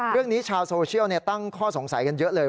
เรื่องนี้ชาวโซเชียลตั้งข้อสงสัยกันเยอะเลย